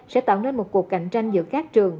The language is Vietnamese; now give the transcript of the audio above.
sẽ tạo nên một cuộc cạnh tranh giữa các trường